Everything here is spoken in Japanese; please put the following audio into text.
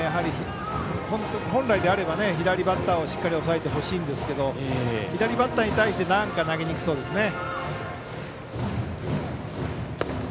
本来であれば左バッターをしっかり抑えてほしいんですけど左バッターに対してなんか投げにくそうですね。